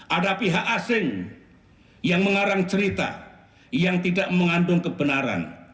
ada pihak asing yang mengarang cerita yang tidak mengandung kebenaran